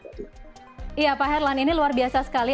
iya pak herlan ini luar biasa sekali